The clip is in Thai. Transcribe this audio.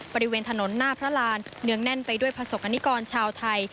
บริเวณถนนหน้าพระรานเนื้องแน่นไปด้วยประสบกรณิกรชาวไทย